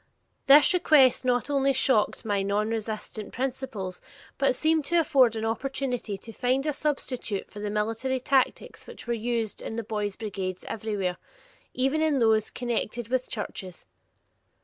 This request not only shocked my nonresistant principles, but seemed to afford an opportunity to find a substitute for the military tactics which were used in the boys' brigades everywhere, even in those connected with churches.